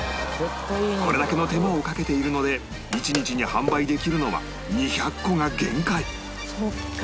これだけの手間をかけているので一日に販売できるのは２００個が限界